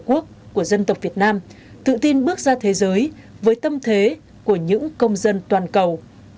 tổ quốc của dân tộc việt nam tự tin bước ra thế giới với tâm thế của những công dân toàn cầu